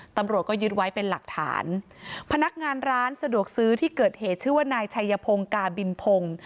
ตำรวจก็ยึดไว้เป็นหลักฐานพนักงานร้านสะดวกซื้อที่เกิดเหตุชื่อว่านายชัยพงศ์กาบินพงศ์